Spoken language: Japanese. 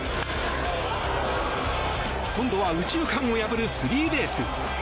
今度は右中間を破るスリーベース。